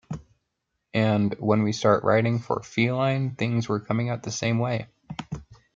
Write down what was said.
And when we started writing for "Feline", things were coming out the same way.